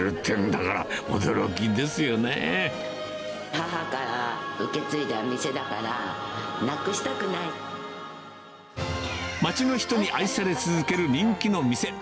母から受け継いだ店だから、街の人に愛され続ける人気の店。